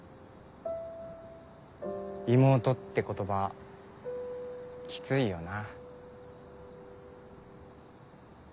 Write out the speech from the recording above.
妹って言葉キツいよな。